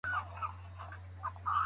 دا ډېره په زړه پورې پروسه ده.